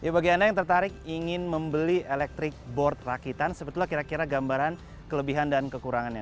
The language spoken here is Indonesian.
kalau menarik ingin membeli e board rakitan sebetulnya kira kira gambaran kelebihan dan kekurangannya